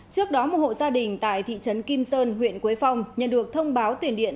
trước đó một hộ gia đình tại thị trấn kim sơn huyện quế phong nhận được thông báo tiền điện